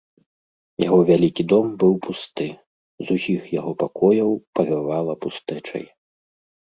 Яго вялікі дом быў пусты, з усіх яго пакояў павявала пустэчай.